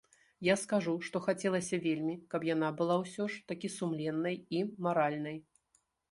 Я скажу, што хацелася вельмі, каб яна была ўсё ж такі сумленнай і маральнай.